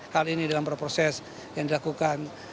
hal ini dalam proses yang dilakukan